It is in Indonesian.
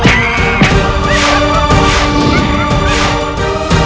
kamu mengalahkan irwan